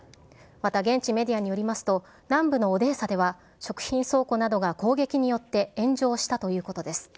また現地メディアによりますと、南部のオデーサでは、食品倉庫などが攻撃によって炎上したということです。